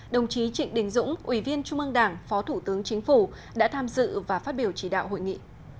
đồng chí trịnh đình dũng ủy viên trung ương đảng phó thủ tướng chính phủ đã tham dự và phát biểu chỉ đạo hội nghị